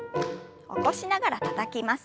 起こしながらたたきます。